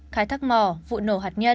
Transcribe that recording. khai thác mò vụ nổ hạt nhân